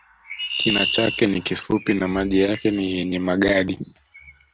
Kina chake ni kifupi na maji yake ni yenye magadi